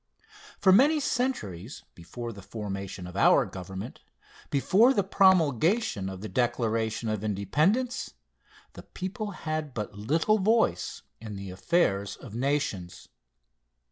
For many centuries before the formation of our Government, before the promulgation of the Declaration of Independence, the people had but little voice in the affairs of nations.